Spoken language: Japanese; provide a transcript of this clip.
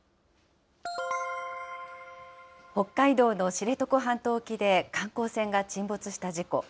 北海道の知床半島沖で観光船が沈没した事故。